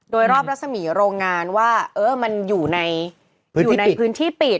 โดยรอบรัศมีโรงงานว่ามันอยู่ในพื้นที่ปิด